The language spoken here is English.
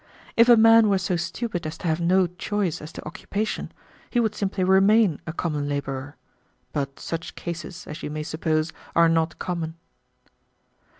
If a man were so stupid as to have no choice as to occupation, he would simply remain a common laborer; but such cases, as you may suppose, are not common."